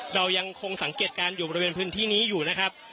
เรายังคงสังเกตการณ์อยู่บริเวณพื้นที่นี้อยู่นะครับ